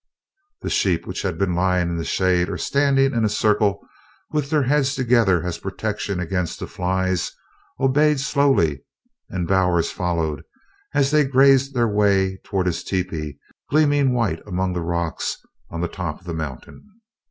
The sheep, which had been lying in the shade or standing in a circle with their heads together as a protection against the flies, obeyed slowly, and Bowers followed as they grazed their way toward his tepee gleaming white among the rocks on the top of the mountain.